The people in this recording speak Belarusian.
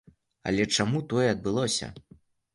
Але чаму тое адбылося?